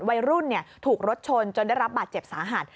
วัยรุ่นถูกรถชนจนได้รับบาดเจ็บสาหัส